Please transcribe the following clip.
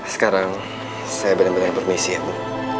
sekarang saya benar benar permisi ya bu